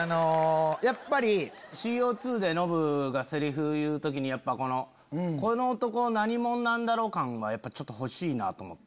やっぱりＣＯ２でノブがセリフ言う時にやっぱこの男何者なんだろう感はちょっと欲しいなと思って。